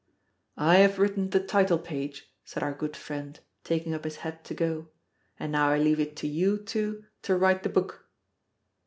"I have written the title page," said our good friend, taking up his hat to go. "And now I leave it to you two to write the book."